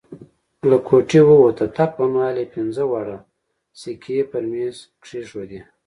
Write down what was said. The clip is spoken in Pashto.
له کوټې ووت، د تګ پر مهال یې پینځه واړه سکوې پر میز کښېښودې.